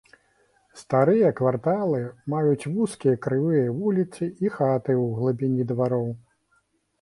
Старыя кварталы маюць вузкія крывыя вуліцы і хаты ў глыбіні двароў.